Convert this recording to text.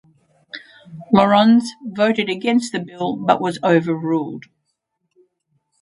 Laurens voted against the bill but was overruled.